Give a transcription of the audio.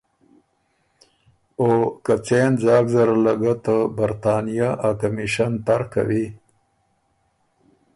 او که څېن ځاک زره له ګۀ ته برطانیه ا کمیشن تر کوی